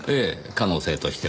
可能性としては。